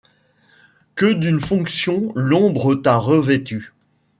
Que d’une fonction l’ombre t’a revêtu ?